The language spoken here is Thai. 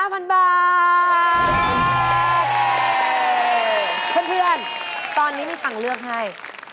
เพื่อนตอนนี้มีตังค์เลือกให้